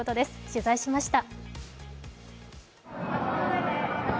取材しました。